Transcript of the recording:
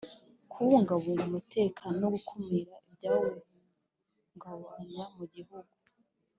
Kubungabunga umutekano no gukumira ibyawuhungabanya mu gihugu